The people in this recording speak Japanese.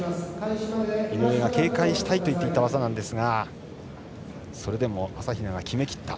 井上が警戒したいと言っていた技ですがそれでも朝比奈が決めきった。